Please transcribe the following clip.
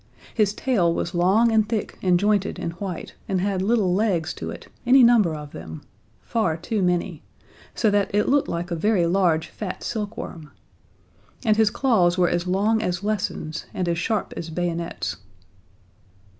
His tail was long and thick and jointed and white, and had little legs to it, any number of them far too many so that it looked like a very large fat silkworm; and his claws were as long as lessons and as sharp as bayonets.